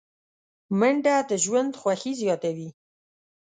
منډه د ژوند خوښي زیاتوي